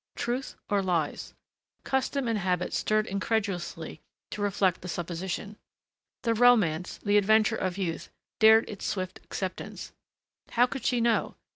Truth or lies? Custom and habit stirred incredulously to reject the supposition. The romance, the adventure of youth, dared its swift acceptance. How could she know?